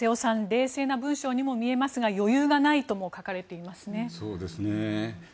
冷静な文章にも見えますが余裕がないとも書かれていますね。